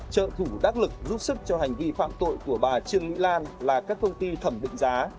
trợ thủ đắc lực giúp sức cho hành vi phạm tội của bà trương mỹ lan là các công ty thẩm định giá